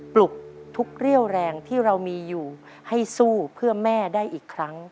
ปลุกทุกเรี่ยวแรงที่เรามีอยู่ให้สู้เพื่อแม่ได้อีกครั้ง